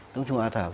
đông trùng hạ thảo